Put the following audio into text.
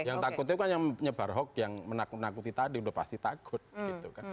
yang takut itu kan yang menyebar hoax yang menakut nakuti tadi udah pasti takut gitu kan